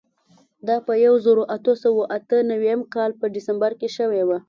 دا په یوه زرو اتو سوو اته نوېم کال په ډسمبر کې شوې وه.